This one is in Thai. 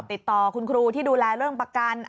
ติดต่อคุณครูที่ดูแลเรื่องประกัน